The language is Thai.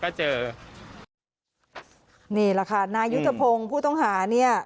ก็เจอนี่แหละค่ะนายุทธพงศ์ผู้ต้องหาเนี่ย